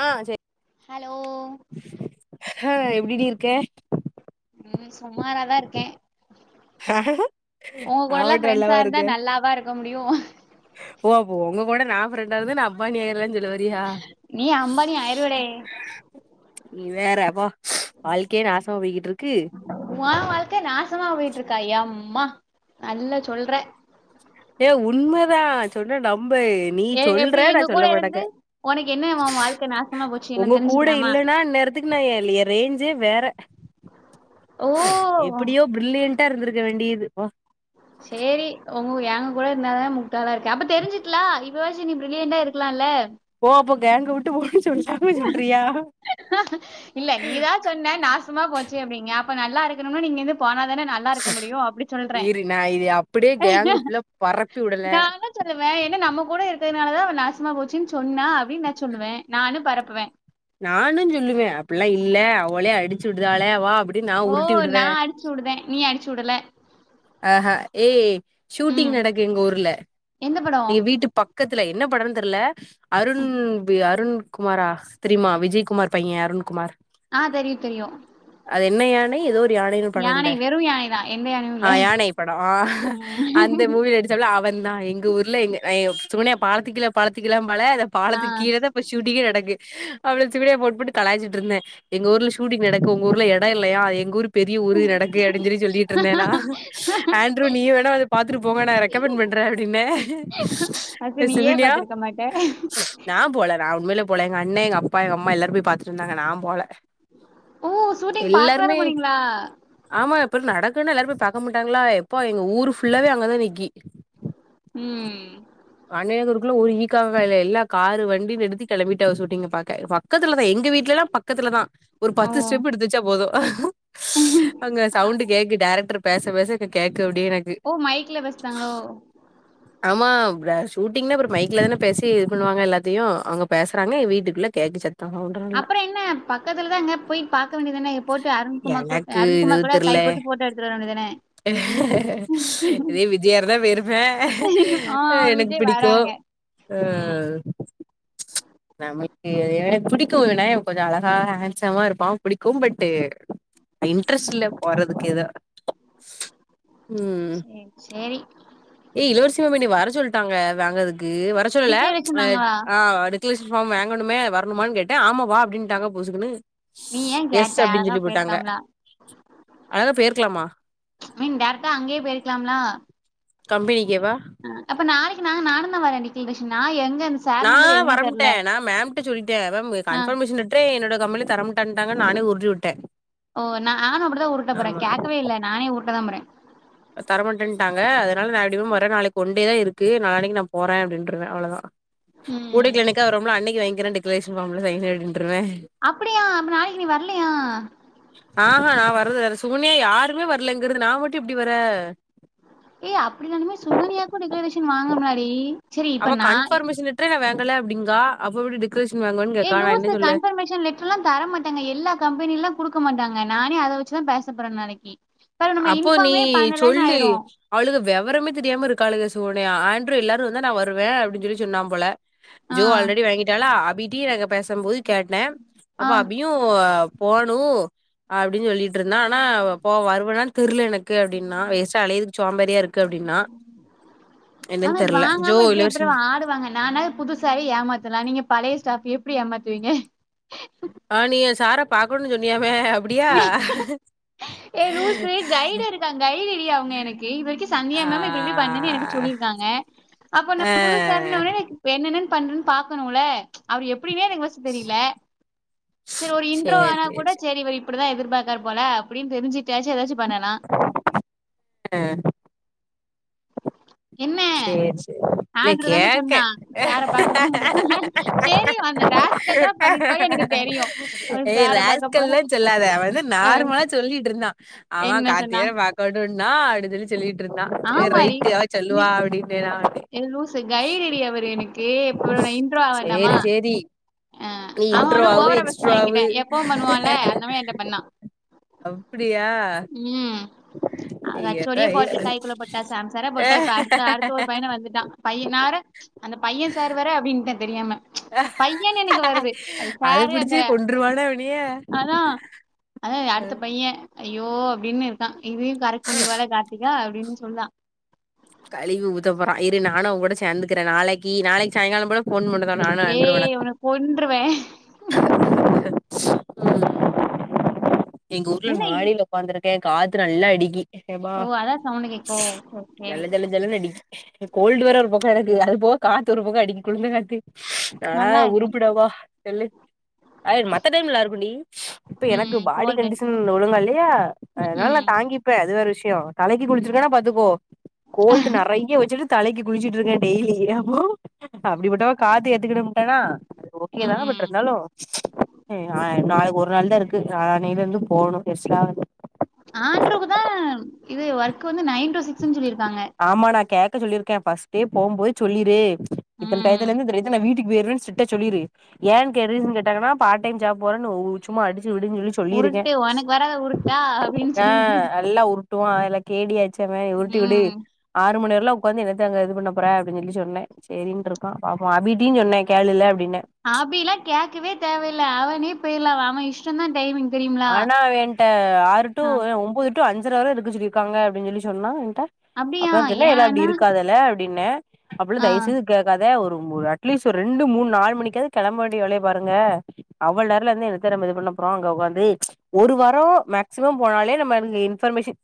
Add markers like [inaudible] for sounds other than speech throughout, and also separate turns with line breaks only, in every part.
ஆ செரி
ஹலோ
ஹா எப்டி டி இருக்கே
ம் சுமாராதா இருக்கே ஒங்
நா
கூடல்லா
மட்டு நல்லாவா
ஃப்ரெண்ட்ஸாருந்தா
இருக்கே
நல்லாவாருக்க முடியு
ஓ அப்ப ஒங்க கூட நா ஃப்ரெண்டாருந்து நா அம்பானியார்லானு சொல்லவர்றியா
நீ அம்பானி ஆயிர்வேடை
நீ வேற போ வாழ்க்கைய நாசா போய்கிட்டுருக்கு
ஒ வாழ்க்க நாசமா போயிட்டுருக்கா எம்மா நல்ல சொல்றே
ஏ உண்மதா சொன்னே நம்பே நீ
எ எப்டி
சொல்ற நா
எங்க கூட
சொல்லமட்டங்க
இருந்து உனக்கு என்ன உ வாழ்க்க நாசமா போச்சு என்ன
உங்க கூட
தெரிஞ்சுக்கலாமா
இல்லேன்னா இந்நேரத் து எ ரேஞ்சே வேற
ஓ
எப்பிடியோ பிரில்லியன்டா இருந்திருக்க வேண்டியது போ
சேரி உங்க ஏங்க கூட இருந்தா தா முட்டாலா இருக்கே அப்ப தெரிஞ்சிட்லா இப்ப வச்சு நீ பிர்லியண்டா இருக் குலால்ல
ஓ அப்போ கேங்க விட்டு போணு சொல்லாம சொல்றியா
இல்ல நீதா சொன்ன நாசமா போச்சு அப்படிங்கே அப்ப நல்லாருக்கணுன்னா நீங்கருந்து போனாதான நல்
இரு நா இது அப்படியே கேங்கு ஃபுல்லா பரப்பி உடல
நானு சொல்லுவே ஏன்னா நம்ம கூட இருக்கதுனால தா அவே நாசமா போச்சுன்னு சொன்னா அப்டின்னு நா சொல்லுவே நானு பரப்புவே
நானு சொல்லுவே அப்பல்லா இல்லா அவளே அடிச்சு விடுதாளே அவோ அப்டி
ஓ நா அடிச்சு உட்ர நீ அடிச்சு உடுல
ஆ ஹா ஏய் ஷூட்டிங்
ம்
நடக்கு எங்க ஊர்ல
எந்த படோ
நீ வீட்டுப் பக் கத்துல என்ன படம் தெர்ல அருண் வி அ‌ருண் குமாரா தெரிமா விஜய்குமார் பையே அருண்குமார்
அ தெரியு தெரியு
அது என்னயானை எதோர்
யானை வெறு யானை தா எந்த யானையு
அ
இல்ல
யானை படோ
ம்
அந்த மூவி நடிச் சாளோ அவந்தா எங்க ஊர்ல எங்க எ சுகன்யா பாலத்துக் கீழ பாலத்துக் கீலம்பாலே அத
ஆ
பாலத்து கீழேத இப்ப ஷூட்டிங்கே நடக்கு அவள சுகன்யா ஃபோன் போட்டு கலாய்ச்சிட்ருந்தே எங்க ஊர்ல ஷூட்டிங் நடக்கு ஒங்க ஊர்ல எடோ இல்லையா எங்க ஊரு பெரிய ஊரு நடக்கு அப்டின் சொல்லி சொல்லிட்ருந்தேனா ஆண்ட்ரூ நீயு வேணா வந்து பாத்துட்டு போங்க நா ரெக்கமெண்ட் பண்ற அப்டின்ன
அப்ப நீயே பாத்துருக்க மாட்ட
நா போல நா உண்மையேல போல எங்கண்ண எங்கப்பா எங்கம்மா எல்லாரும் போய் பாத்துட்டு வந்தாங்க நா போல
ஓ ஷூட்டிங் பாக்க வேற
எல்லாருமே
போனீங்களா
ஆமா அப்பறோ நடக்குன்னு எல்லாரு போய் பாக்க மாட்டாங்களா எப்பா எங்க ஊரு ஃபுல்லாவே அங்கதா நிக்கி
ம்
அன்னைய எங்குருக்குள்ள ஒரு ஈக்காக்கா இல்ல எல்லா காரு வண்டின்னு எடுத்து கெளம்பிட்டாவ ஷுட்டீங்க பாக்க பக்கத்துலதா எங்க வீட்லல்லா பக்கத்துலதா ஒரு
ஓ
பத்து ஸ்டெப் எடுத்துச்சா வெச்சா போது அங்க சவுண்டு கேக்கு டைரக்ட் ட்ரு பேச பேச இங்க கேக்கு அப்டியே எனக்கு
ஓ மைக்ல பேசுதாங்களோ
ஆமா ப்ற ஷூட்டிங்னா அப்புறோ மைக்ல தன பேசி இது பண்ணுவாங்க எல்லாத்தையு அவங்க பேசுறாங்க வீட்டுக்குள்ள கேக்கு ச [unintelligible]
அப்பற என்ன பக்கத்துலதா அங்க போயிட்டு பாக்க வேண்டியது தான போட்டு அருண்குமார் கோட்
எனக்கு இது
அருண்குமார் குட
தெர்ல
கை போட்டு போட்டோ எடுத்துட்டு வர வேண்டியதுதானே
இதே விஜயாருந்தா பேயிருப்பே
ஆ
அ எனக்கு
விஜய்
பிடிக்கு
வராங்க
அ
ம்
நமக்கு எனக்கு பிடிக்கும் இவன கொஞ்சம் அழகா ஹேண்ட்சமா இருப்பான் பிடிக்கும் பட்டு்
ம்
இன்ட்ரெஸ்ட்டில்ல போறதுக்கு எதோ ம்
சேரி சேரி
ஏ இளவரசி மேம் என்னய வர சொல்ட்டாங்க வாங்கதுக்கு வர சொல்லல
டிக்கெட்
ப்ச்
வச்சிருந்தாங்களா
அ அடுத் அப்ளிகேஷன் ஃபாம் வேங்கனுமே வரனுமான்னு கேட்டே ஆமா வா அப்டின்ட்டாங்க புசுக்குனு
நீ ஏ கேட்ட அதா பேருக்கலாம்லா
அத பேயிருக்கலாமா
நீ டேரெக்டா அங்கேயே பேயிருக்கலாம்லா
தம்பி இங்க வா
அ அப்ப நாளைக்கி நாங்க நானுந்தா வரேன் டிக்கிகேஷன் நா எங்க
நா
சார் நம்பர் எதுனே தெர்ல
வரம்ட்டேன் நா மேம்ட்ட சொல்ட்டேன் அத
ஆ
கண்ஃபர்மேஷன் லெட் ரே என்னோட கம்பெனி தரமாட்டன்ட்டாங்கனு நானே உருட்டிவுட்டேன்
ஓ நானும் அப்டிதா உருட்டபோறேன் கேக்கவே இல்லை நானே உருட்டதா போறேன்
தர மாட்டேன்ட்டாங்க அதனால நா எப்படியும் வர நாளைக்கி ஒன்டேதா இருக்கு நாளன்னக்கி நா போறேன் அப்படின்ருவன் அவ்வளதான்
ம்
ஊடைக்கு என்னைக்காவது வருவம்ல அன்னக்கி வாங்க்கிறேன் டெக்லரேஷன் ஃபாம்ல வைங்க அப்டின்ருவன்
அப்டியா அப்ப நாளைக்கி நீ வரலையா
ஆஹா நான் வர்றல வேற சுகன்யா யாருமே வரலங்கிறது நா மட்டும் எப்டி வர
ஏய் அப்டினாலுமே சுகனியாக்கும் டிக்லரேஷன் வாங்கனுமுலடி
அவ கன்பர்மேஷன் லெட்ரே நா வேங்கல அப்படிங்கா அப்ப எப்படி டிக்லரேஷன் வாங்கன்னு கேக்கா நா என்ன சொல்ல
லா தர மாட்டாங்க எல்லா கம்பெனியெல்லா குடுக்க மாட்டாங்க நானே அத வச்சுதான் பேசப்போறேன் நாளக்கி
அப்போ நீ சொல்லு அவளுக வெவரமே தெரியாம இருக்காலுக சுகன்யா ஆண்ட்ரூ எல்லாரு வந்தா நா வர் ருவே அப்டின் சொல்லி சொன்னா போல
ஆ
ஜோ ஆல்ரெடி வாங்கிட்டாலா அப்டி இப்டி நாங்க பேசம்போது கேட்டன் அப்ப
ஆ
அபியு போணும் அப்டின் சொல்லிட்ருந்தா ஆனா போ வருவானான் தெர்ல எனக் கு அப்டின்னா வேஸ்டா அலையதுக்கு சோம்பேரியா இருக்கு அப்டின்னா என்னன்னு
ஆனா
தெர்ல ஜோ
வாங்காம எப்டி
இலவரசி
அப்புறம் ஆடுவாங்க நான புதுஸ் சரி ஏமாத்தலா நீங்க பழைய ஸ்டாஃப் எப்டி ஏமாத்துவீங்க
ஆ நீ ஏன் சார பாக்கணு சொன்னியாமே அப்டியா
ங்க கைடு டீ அவங்க எனக்கு இது வரைக்கு சந்தியா
ஆ
மேம் இப்டி இப்டி பண்ணன்னு எனக்கு சொல்லிருக்காங்க அப்ப நா
ஆ
புதுச சா இருந்தோனே இப்ப என்னன்ன பண்ற னு பாக்கணுல அவர் எப்டிமே எனக்கு பஸ் தெரியல செரி ஒரு இன்ட்ரோ
சேரி
ஆனா
சேரி
கூட
சேரி
செரி வ அப்டிதா எதிர்பாக்கார் போல அப்டின்னு தெரிசிட்டாச்சி ஏதச்சி பண்ணலா
அங்
என்ன
செர் செர் இல
ஆண்ட்ரு தானே
கேக்கே
சொன்னா சார பாக்கணும் தெரியும் அந்த ராஸ்கல் தான் பண்ணிருப்பாரு எனக்கு தெரியும் அவரு
ஏ
சார பாக்க போற
ரேஸ்கல்லு சொல்லாத அவன் வந்து
அஹ்,
நார்மலா சொல்லிட்டு இருந்தான் ஆமா
என்ன
கார்த்தி
சொன்னா
பாக்கட்டுனா அடுதல சொல்லிட்டு இருந்தா செர்
ஆமாடி
ரைட்டு
நீ
சொல்லுவா அட [unintelligible]
ஏ லூசு கைடு டி அவரு எனக்கு அப்புறோ நா இன்ரோ ஆக வேண்டாமா
சேரி சேரி
அஹ்
நீ
அவன்
இன்ட்ரோ
வேணும்
ஆவு
ஓவரா பேசினான் என்கிட்ட
எக்ஸ்ட்ரோவு
எப்பவும் பண்ணுவான்ல அந்த மாதிரி என்கிட்ட பண்ணான்
அப்டியா
ம்
இயத
ஹச்சோடியே போட்டு கைக்குள்ள
ஹ
பையனா வந்துட்டா பையனார அந்த பைய சார் வர அப்டின்ட்டே தெரியாம பையன்னு எனக்கு வருது அந்த
அது
சாரு அந்த
புடிச்சு கொண்ருவானா இவனைய
அதா அத அடுத்த பையே ஐயோ அப்டின்னுருக்கா இதயு கரெக்ட் பண்ணிருவாளா கார்த்திகா அப்டின்னு சொன்னா
கழிவி ஊத்த போறா இரு நானு உ கூட சேந்துக்கிறே நாளைக்கு நாளைக்கு சாயங்காலோ போல பொன்னு மட்டு தா நா
ஏ உன்ன கொன்றுவே
ம் எங்க ஊர்
என்ன
மாடில உக்காந்துருக்கே காத்து நல்லா அடிக்கி மா
ஓ அதான் சவுண்ட் கேட்கோ சரி
ஜல ஜல ஜனல அடிக்கி கோல்டு வர ஒரு பக்கொ எனக்கு அது போக காத்து ஒரு பக்கொ அடிக்கு குழுந்த காத்து ந
நல்லா இருக்கும்.
உருப்பிடாவா சொல்லு மத்த டைம் நல்லாருக்குடி இப்ப எனக்கு
ம்.
பாடி
கோல்டு.
கண்டிசன் ஒழுங்கா இல்லையா அதனால நா
ம்.
தாங்கிப்பே அது வேற விஷயோ தலைக்கு குளிச்சிருக்கன்னா பாத்துக்கோ கோல்டு நிறைய வச்சுட்டுத் தலைக்கு குளிச்சுட்டுருக்கே டெய்லி அப்டிப்பட்டவ காத்து எத்துக்கிட முட்டானா அ ஓகேதா பட்
ம்.
இருந்தாலு நாளைக் ஒரு நாள் தா இருக்கு நாளா னல இருந்து போணு எரிச்சலா வருது
ஆண்றுக்கு தா இது ஒர்க் வந்து நைன் டு சிக்ஸ்ன்னு சொல்லிருக்காங்க
ஆமா நா கேக்க சொல்லியிருக்கே பஃர்ஸ்ட்டே போம்போது சொல்லிரு இத்தன டையத்துல
ம்.
இருந்து இந்த அந்த நா வீட்டுக்கு போயிரேன்னு சிடிரிட்டா சொல்லிரு ஏ கி ரீசன் கேட்டங்கன்னா பார்ட் டைம் ஜாப் போறேன்னு சும்மா அடிச்சு விடிஞ்ழச்சு சொல்லிருக்கே
உருட்டு உனக்கு வராத உருட்டா அப்படின்னு சொல்லி.
ஆஹ் நல்லா ட்டுவ அதெல்லா கேடியாச்சேங்க உருட்டி வுடு
ம்.
ஆறு மணி வரல உக்காந்து என்னத்த அங்க இது பண்ண போற அப்டினு சொல்லி சொன்னே சேரின்னுருக்கா பாப்போ அபிடயு சொன்னே கேளுல அப்டின்னு
அபில்லா கேக்கவே தேவயில்ல அவனே போயிரலா அவ அவ இஷ்டோதா டைமிங் தெரியுங்களா?
ஆனா அவே என்ட்ட ஆறு டு
ஆ.
ஒன்பது டு அஞ்சர வர இருக்க சொல்லிருக்காங்க அப்டின்னு சொல்லி சொன்னா என்ட்ட
அப்படியா?
அப்பதா சொன்னே
ஏன்
எல்லா அப்டி
ஆனா
இருக்காதல்ல அப்டின்னே அப்பல்லா
ஆ
தயவுசெஞ் ங்க கேக்காத ஒரு ஒரு அட்லீஸ்ட் ஒரு ரெண்டு மூன் நாலு மணிக்காவது கிளம்ப வேண்டிய வேலைய பாருங்க அவ்ள நேரொலா இருந்து என்னத்த நம்ம இது பண்ண போறோ அங்க உக்காந்து ஏ ஒரு வாரோ மேக்சிமம் போனாலே நம்ம இ இன்ஃபர்மேஷன்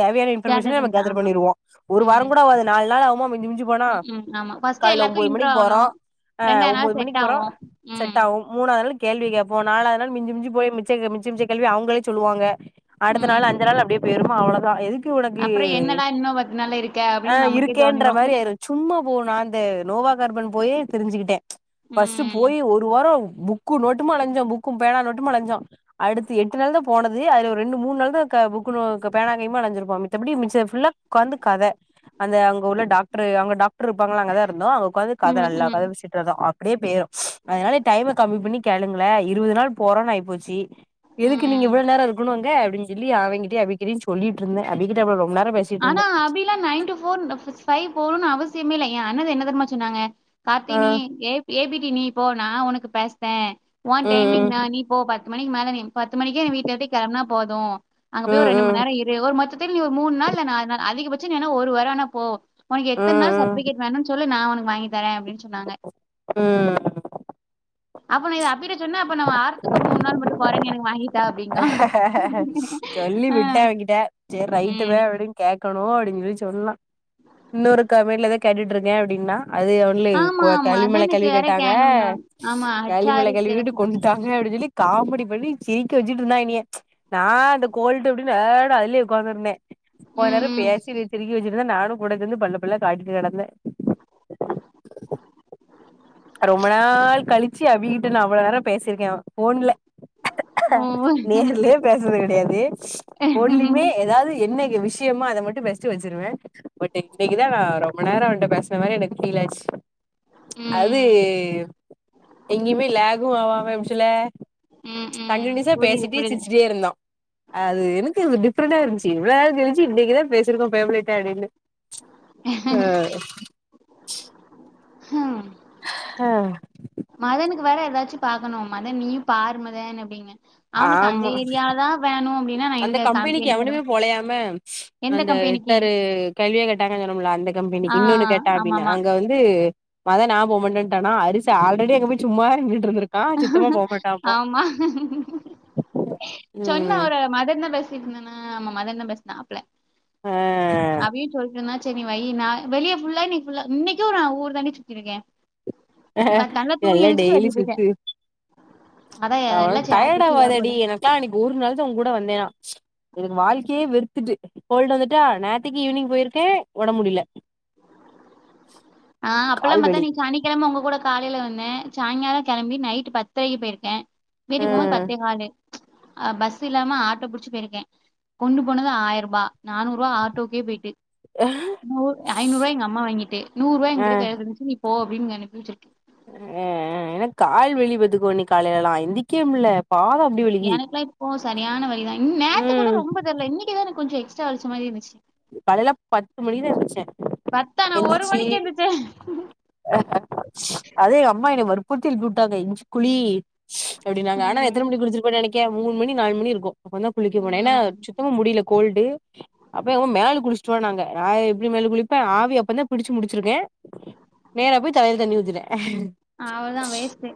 தேவையான இன்பர்மேஷன நம்ம
பண்ணிக்கலாம்.
கேதர்
ஆமா.
பண்ணிருவோ ஒரு வாரோ
ம்.
கூட ஆவாது நாலு நாள் ஆவுமா மிஞ்சி மிஞ்சி போனா
ம். ஆமா ஃபர்ஸ்ட்
காலையல ஒம்பது மணிக்கு போறோ அ ஒம்பது
நாள் செட்
மணிக்கு போறோ
ஆகும்.
செட்
ம்.
ஆவு மூணாவது நாள் கேள்வி கேப்போ நாலாவது நாள் மிஞ்சி மிஞ்சி போய் மிச்ச மிச்ச மிச்ச கேள்வியே அவங்களே சொல்லுவாங்க அடுத்த
ம்.
நாள் அஞ்சு நாள் அப்டியே போயிருமா அவ்ளோதா எதுக் கு உனக்கு
அப்புறம் என்னடா இன்னும் நாள் இருக்க அப்படின்னு
ஆஹ்
நமக்கே
இருக்கேன்ற
தோணிரும்.
மாரி ஆயிரு சும்மா போவு நா இந்த நோவா கார்பன் போயே தெரிஞ்சுக்கிட்டே பர்ஸ்ட்டு
ம்.
போய் ஒரு வாரோ புக்கு நோட்டுமா அலஞ்சோ புக்கு பேனா நோட்டுமா அலஞ்சோ அடுத்து எட்டு நாள் தா போனது அதுல ரெண்டு மூன் நாள் தா கா புக்கு நோ பேனா கைம்மா அலஞ்சிருப்போ மித்தபடி மிச்ச ஃபுல்லா உக்காந்து கத அந்த அங்க உள்ள டாக்டரு அவங்க டாக்டரு இருப்பாங்கள அங்கதா இருந்தோ உக்காந்து கத
ம்.
நல்லா
ம்.
கத பேசிட் அப்டியே போயிரு அதனால டைம கம்மி பண்ணி கேளுங்ளே இருபது நாள் போறோன்னு ஆயிப்போச்சு எதுக்கு
ம்.
நீங்க இவ்ளோ நேரோ இருக்கனு அங்க அப்படின் சொல்லி அவங்கிட்டே அபிக்கிட்டயு சொல்லிட் இருந்தே அபி கிட்ட அப்ரோ ரொம்ப நேரோ பேசிட்ருந்தே
அபிலா நைன் டு ஃபோர் தஸ் ஃபைவ் போனு அவசியமே இல்ல என் அண்ணன்ன என்ன தெரிமா சொன்னாங்க கார்த்தி
ஆ
நீ ஏ ஏ பி டி நீ இ போ நா உனக்கு பேசறேன் ஒன்
ம்
டைமிங் நா
ம்
நீ போ பத்து மணிக்கு மேல நீ பத்து மணிக்கே நீ வீட்ட விட்டு கெளம்புனா போது அங்க
ம்
போய் ஒரு ரெண்டு மண்
ம்
நேரோ இரு ஒரு மொத்தத்துல நீ ஒரு மூண் நாள் இல்ல நாலு நாள் அதிகபட்சோ நீ வேணா ஒரு வாரோ வேணா போ உனக்கு எத்தன
ம்
நாள்
ம்
சர்ட்பிகேட் வேணுன்னு சொல்லு நா உனக்கு வாங்கி தரேன் அப்டின்னு சொன்னாங்க
ம்
அப்ப நா இத அபிட்ட சொன்னா அப்ப நா வாரத்துக்கு ஒரு மூண் நாள் மட்டு போறேன்னு எனக்கு வாங்கி தா அப்படிங்கான்.
சொல்லி
ஆ.
விட்டேன் அவன்கிட்ட சேரி
ம்.
ரைட்டுவேன் அப்டின்னு கே இருக்கணு அப்டின்னு சொல்லி சொன்னான் இன்னொரு கம்பெனிலதான் கேட்டுட்டு இருக்கன் அப்டின்னா அது ஒன்ல
ஆமா,
கோ
ஆமா.
கேள்வி மேல
அதானக்கு
கேள்வி
வேற
கேட்டாங்க
கேனுன்னா. ஆமா,
கேள்வி மேல
அச்சாருக்கு ஏதோ
கேட்டு
சொன்னா.
கொன்ட்டாங்க
ம்.
அப்டின்னு சொல்லி காமெடி பண்ணி சிரிக்க வெச்சுட்டு இருந்தான் என்னைய நா அந்த கோல்ட்டு அப்டின் எ னு அதுலயே உக்காந்திருந்தேன் போன
ம்,
நேரோ
ம்.
பேசெல திருகி வெச்சிருந்தன் நானு கூட சேந்து பல்ல பல்ல காட்டிட்டு கிடந்தேன் ரொம்ப நாள் கழிச்சு அபிகிட்ட நா அவ்ளோ நேரோ பேசிருக்கேன் ஃபோன்ல
ஓ!
நேர்லயே பேசறது கெடையாது ஃபோன்லயுமே
ம்.
ஏதாது என்ன விஷ் நிச்சயமா அத மட்டு பேசிட்டு வெச்சிருவேன் பட் இன்னைக்குதான் நா ரொம்ப நேரோ அவன்ட்ட பேசின மாரி எனக்கு ஃபீல் ஆச்சு அது எங்யுமே லேகு ஆவாம போச்சல்ல
ம், ம்.
கண்டினியூஸா
புரியுது,
பேசிட்டே
புரியுது.
சிரிச்சிட்டே இருந்தோ ஆ அது எனக்கு இது டிப்ரெண்டா இருந்ச்சி இவ்ளோ நாள் கழிச்சு இன்னைக்குதான் பேசிருக்கோ ஃபேமிலிட்ட அப்டின்னு அ
ஹ்ம்
ஹ
மதனுக்கு வேற எதாச்சு பாக்கணு மதன் நீயு பாரு மதன் அப்டிங்க
ஆமா
நான்
அந்த
எங்க
கம்பெனிக்கு
கம்பெனி கிடவ
எவனுமே போலையாமே
எந்த
அந்த ஹெச்
கம்பெனிக்கு?
ஆர் கேள்வியா கேட்டாங்க சொல்லுமல்ல அந்த
ஆ,
கம்பெனிக்கு இன்னொன்னு கேட்டான் அப்டின்
ஆமாமா.
அங்க வந்து து மதன் நா போமாட்டான்டானா அரிசி ஆல்ரெடி அங்க போய் சும்மாதா நின்னுட்டு இருந்திருக்கு
ஆமா சொன்ன
ம்
ஒரு மதன்ந்தா பேசிட்டு இருந்தனா ஆமா மதன்ந்தான் பேசினாப்ல
ஆ
[unintelligible] அபி சொல்லிட்டுருந்தா செரி வை நா வெளிய ஃபுல்லா நீ ஃபுல்லா இன்னைக்கு நா ஊர்தான்டி சுத்திருக்கேன் பட் ஆனா தூங்கி எந்திருச்சிட்டு வெளிய போயிட்டன்
அவ்ளோ
சேத்து
டயர்டு
வச்சு இதா
ஆவாதடி
போட்டே
எனக்கெல்லா அன்னைக்கு ஒரு நாள்தா உங்க கூட வந்தேனா இதுக்கு வாழ்க்கையே வெறுத்துட்டு கோல்டு் வந்துட்டா நேத்தைக்கு ஈவினிங் போயிருக்கேன் ஒடம்பு முடில
ஆ அப்பல்லாம் பாத்தா
கால்வலி
நீ சனிக்கெழம உங்க கூட காலைல வந்தேன் சாய்ங்காலோ கெளம்பி நைட்டு பத்தரைக்கு போயிருக்கேன்
ஆ
வீட்டுக்கு போம்போது பத்தே காலு பஸ் இல்லாம ஆட்டோ புடிச்சி போயிருக்கேன் கொண்டு போனது ஆயிர ரூபா நானூறு ரூவா ஆட்டோக்கே போயிட்டு
ஆ
நூர் ஐனூ ரூவா எங் அம்மா வாங்கிட்டு நூர் ரூவா
ஆ
என்கிட்ட கைல இருந்ச்சி நீ போ அப்டின்னு என்ன அனுப்பி வெச்சிருக்கு
அ அ ஆ எனக்கு கால் வலி பாத்துக்கோ இன்னிக்கி காலைல எல்லா எந்திக்கவே முல்ல பாவோ அப்டி வலிக்கி
எனக்கு எல்லா இப்போ சரியான வலிதா ம் நேத்தகூட
ம்
ரொம்ப தெரில இன்னிக்குதா எனக்கு கொஞ்சோ எக்ஸ்ட்ரா வலிச்ச மாரி இருந்துச்சி
காலைல பத்து மணிக்குதா எந்துச்ச
பத்தா நா ஒரு
எந்திச்சி
மணிக்கு எந்திரிச்சே
அது எங்கம்மா என்னைய வற்புர்த்தி எழுப்பி விட்டாங்க என்ச்சி குழி அப்டினாங்க ஆனா
ம்
எத்தன மணிக்கு குளிச்சிருப்ப நெனைக்கே மூண் மணி நாலு மணி இருக்கு அப்பந்தா குளிக்க போன ஏனா
ம்
சுத்தமா முடில கோல்டு அப்பவு மேலுக்கு குளிச்சுட்டுவான்னாங்க நா எப்டி மேலு குளிப்ப ஆவி அப்பந்தா புடிச்சி முடிச்சிருக்கேன் நேரே போய் தலைல தண்ணி ஊத்திட்டே
அவ்ளதா வேஸ்ட்டு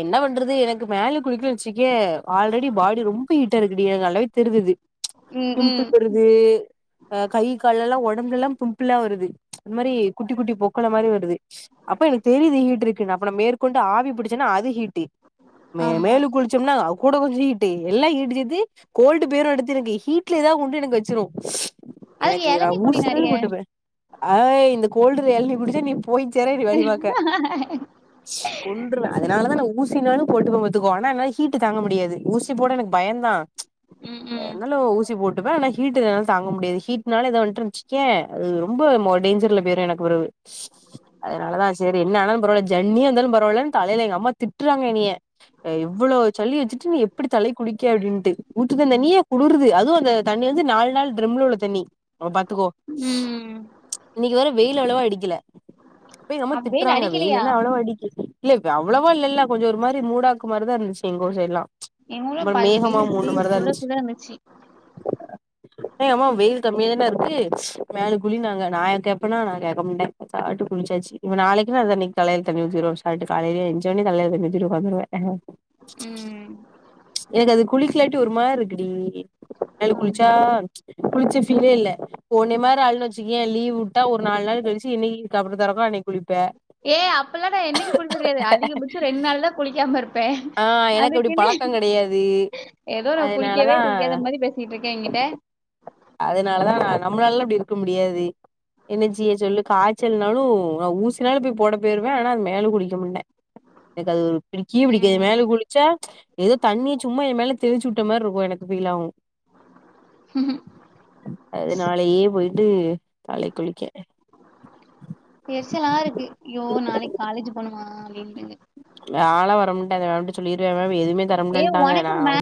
என்ன பண்றது எனக்கு மேல் குளிக்கனு வெச்சுக்கோயே ஆல்ரெடி பாடி ரொம்ப ஹீட்டா இருக்குடி எனக்கு நல்லாவே தெரிதது
ம் ம்
தே அ கை கால்லெல்லா ஒடம்புலல்லா பிம்பிலா வருது அது மாரி குட்டி குட்டி பொக்கள மாரி வருது அப்ப எனக்கு தெரியிது ஹீட் இருக்குனு அப்ப நா மேற் கொண்டு ஆவி புடிச்சோன்னா அது ஹீட்டு மே
ஆமா
மேலு குளிச்சோம்னா கூட கொஞ்சோ ஹீட் எல்லா ஹீட்டு சுத்தி கோல்டு பேரு அடுத்து எனக்கு ஹீட்லேதா கொண்டு எனக்கு வெச்சிரு
அதுல
எனக்கு நா
எளநி குடி நெறைய
ஊசினாலு போட்டுப்பே அய் இந்த கோல்டுல எழ்னி குடிச்ச நீ போய் சேர நீ வழிபாக்க கொன்றுவ அதனால தா நா ஊசினாலு போட்டுக்வே பாத்துக்கோ ஆனா என்ன ஹீட்டு தாங்க முடியாது ஊசி ஊசி போட எனக்கு பயந்தா
ம் ம்
இருந்தாலு ஊசி போட்டுப்பே ஆனா ஹீட் என்னால தாங்க முடியாது ஹீட்னால ஏதாது வன்ட்டுன்னு வச்சிக்கியே அது ரொம்போ முடேஞ்சர்ல போய்ரு எனக் பெறவு அதனாலதா செரி என்ன ஆனாலு பரவால்லா ஜென்னியே வந்தாலு பரவால்லன் தலைல எங்க அம்மா திட்றாங்க என்னைய ஏ இவ்வளோ சளிய வெச்சிட்டு நீ எப்டி தலைக் குளிக்க அப்டின்ட்டு ஊத்துதே தண்ணீய குளிருது அதுவு அந்த தண்ணீ வந் து நாலு நாள் ட்ர்ம்ல உள்ள தண்ணி அ பாத்துக்கோ
ம்
இன்னிக்கு வேற வெயில் அவ்ளவா அடிக்கல அப்ப எங்கம்மா திட்றாங்க வெயில் இன்னு அவ்ளோ அடிக்கிது இல்ல இப்ப அவ்ளவா இல்லலா கொஞ்சோ ஒரு மாரி மூடாக்கு மாரிதா இருந்துச்சி எங்க ஊர் சைட்லா அப்றம் மேகமா மூட்ன மார்தா இருந்ச்சு
தங்கச்சி
ஏ அம்மோவ் வெயில் கம்மியா தான இருக்கு மேலுக் குளின்னாங்க நா கேப்பேனா நா கேக்க மாட்டே பேசாட்டு குளிச்சாச்சி இப்ப நாளைக்கு நா இன்னைக் தலைல தண்ணீ ஊத்திருவே சாட்டடே காலைலே ஏஞ்ச்ச உடனே தலைல தண்ணீ ஊத்திட்டு உக்காந்துருவே
ம்
எனக்கது குளிக்லாட்டி ஒரு மார் இருக்குடி மேலுக் குளிச்சா
ஆமா
குளிச்ச ஃபீலே இல்ல உன்னே மார் ஆளுன் வெச்சுக்கோயே லீவ் விட்டா ஒரு நாலு் நாள் கழிச்சி என்னைக்கு சட்டற தொறக்கோ அன்னைக் குளிப்பே
அப்பில்லா நா என்னைக் குளிச்சது கெடையாது அதிகபட்சோ ரெண்டு நாள் தா குளிக்காம இருப் பே
ஆ எனக்கு அப்டி
அதுக்கின்னு
பழக்கோ கெடையாது
ஏதோ நா குளிக்கவே
அதனாலதா
குளிக்காத மாதி பேசி ட்டு இருக்க எங்கிட்ட
அதனால தா நா நம்ளாலா இப்டி இருக்க முடியாது என்ன ஜெய்ய சொல்லு காய்ச்சல்னாலு நா ஊசினாலு போய் போட போயிருவே ஆனா மேலுக் குளிக்க மான்டே எனக்கது ஒரு பிடிக்கயே பிடிக்காது
ம்
மேலுக் குளி ச்சா ஏதோ தண்ணீ சும்மா ஏ மேல தெளிச்சி விட்ட மார் இருக்கு எனக்கு பீல் ஆவு
ம்
அதுனாலயே போய்ட்டு தலைக் குளிக்கே
எரிச்செலா இருக்கு யோ நாளைக் காலேஜு பொனுமா அப்டின்டு
நாலா வரமுண்டே அந்த மேம்ட்ட சொல்லிரியா மேம் எதுமே
ஏ
தரமாட்டேன்ட்டாங்க
ஒனக்கு
நா
மே